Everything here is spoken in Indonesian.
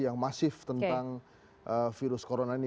yang masif tentang virus corona ini